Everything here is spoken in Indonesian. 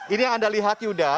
ini yang anda lihat yuda